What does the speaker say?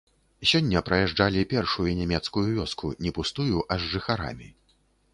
Сёння праязджалі першую нямецкую вёску не пустую, а з жыхарамі.